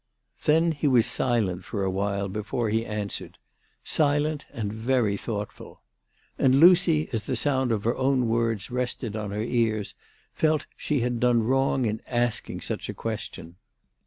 Then he was silent for awhile before he answered, silent and very thoughtful. And Lucy as the sound of her own words rested on her ears felt she had done wrong in asking such a question.